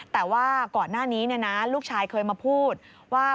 แต่ว่าก่อนหน้านี้ลูกชายเคยมาพูดว่า